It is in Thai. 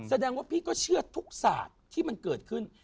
แสดงว่าพี่ก็เชื่อทุกศาสตร์ที่มันเกิดขึ้น